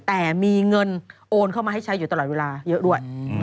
แต่มีเงินโอนเข้ามาให้ใช้อยู่ตลอดเวลาเยอะด้วย